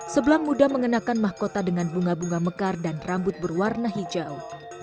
sebelang muda mengenakan mahkota dengan bunga bunga mekar dan rambut berwarna hijau